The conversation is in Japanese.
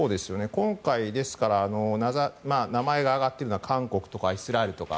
今回名前が挙がっているのは韓国とかイスラエルとか